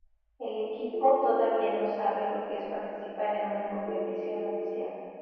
El equipo todavía no sabe lo que es participar en una competición oficial.